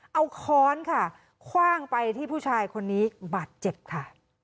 เอาค้อนค่ะคว่างไปที่ผู้ชายคนนี้บาดเจ็บค่ะ